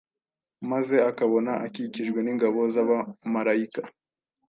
maze akabona akikijwe n’ingabo z’abamarayika